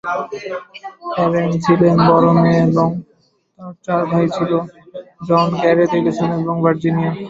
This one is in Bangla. ক্যারেন ছিলেন বড় মেয়ে এবং তার চার ভাই ছিল: জন, গ্যারেথ, অ্যালিসন এবং ভার্জিনিয়া।